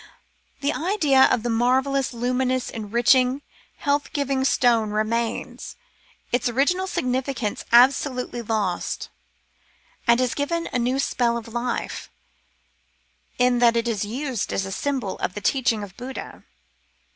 The idea of the marvellous, luminous, enriching, health giving stone remains, its original significance absolutely lost, and is given a new spell of life, in that it is used as a symbol of the teaching of Buddha.